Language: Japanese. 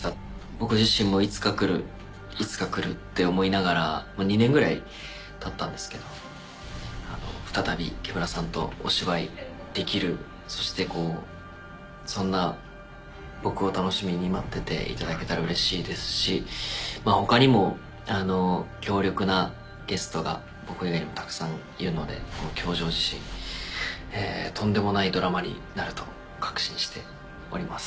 僕自身もいつかくるいつかくるって思いながら２年ぐらいたったんですけど再び木村さんとお芝居できるそしてそんな僕を楽しみに待ってていただけたらうれしいですし他にも強力なゲストが僕以外にもたくさんいるので『教場』自身とんでもないドラマになると確信しております。